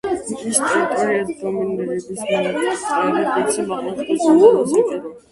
მის ტერიტორიაზე დომინირებს მარადმწვანე ტყეები, დიდი სიმაღლე ზღვის დონიდან და სიმჭიდროვე.